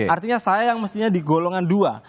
artinya saya yang mestinya di golongan dua